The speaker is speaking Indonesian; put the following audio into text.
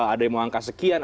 ada yang mau angka sekian